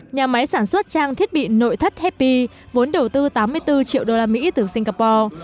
nhà máy sản xuất trang thiết bị nội thất happy vốn đầu tư tám mươi bốn triệu đô la mỹ từ singapore